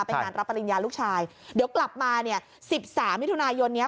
งานรับปริญญาลูกชายเดี๋ยวกลับมาเนี่ยสิบสามมิถุนายนเนี้ย